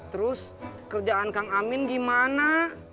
terus kerjaan kang amin gimana